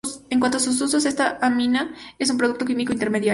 En cuanto a sus usos, esta amina es un producto químico intermediario.